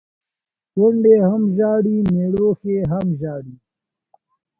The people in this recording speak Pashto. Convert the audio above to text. کونډي هم ژاړي ، مړوښې هم ژاړي.